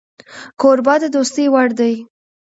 کوربه د دوستۍ وړ دی